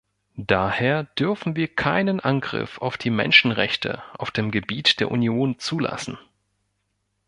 Daher dürfen wir keinen Angriff auf die Menschenrechte auf dem Gebiet der Union zulassen.